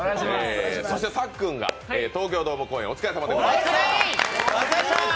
そしてさっくんが東京ドーム公演、お疲れさまでした。